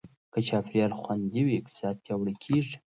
که چاپېریال خوندي وي، اقتصاد پیاوړی کېږي.